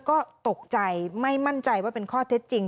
ก็ตกใจไม่มั่นใจว่าเป็นข้อเท็จจริง